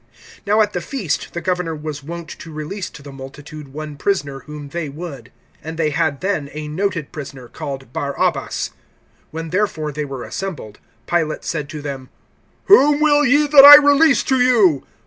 (15)Now at the feast the governor was wont to release to the multitude one prisoner, whom they would. (16)And they had then a noted prisoner, called Barabbas. (17)When therefore they were assembled, Pilate said to them: Whom will ye that I release to you?